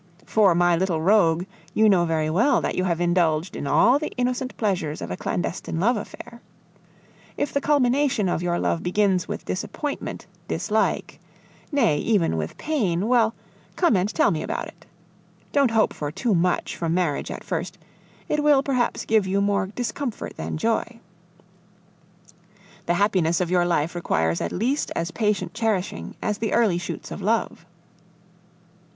For, my little rogue, you know very well that you have indulged in all the innocent pleasures of a clandestine love affair. If the culmination of your love begins with disappointment, dislike, nay, even with pain, well, come and tell me about it. Don't hope for too much from marriage at first; it will perhaps give you more discomfort than joy. The happiness of your life requires at least as patient cherishing as the early shoots of love.